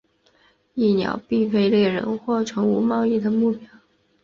蚁鸟并非猎人或宠物贸易的目标。